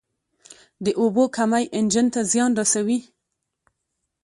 د اوبو کمی انجن ته زیان رسوي.